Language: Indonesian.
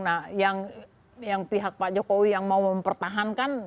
nah yang pihak pak jokowi yang mau mempertahankan